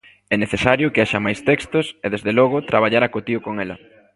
É necesario que haxa máis textos e desde logo traballar acotío con ela.